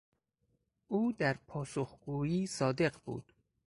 او در پاسخگویی صادق بود.